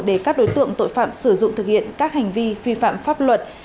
để các đối tượng tội phạm sử dụng thực hiện các hành vi vi phạm pháp luật